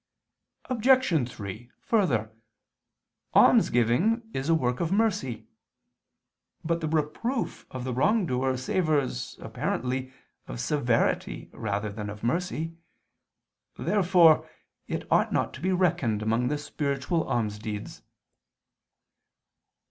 Obj. 3: Further, almsgiving is a work of mercy. But the reproof of the wrong doer savors, apparently, of severity rather than of mercy. Therefore it ought not to be reckoned among the spiritual almsdeeds.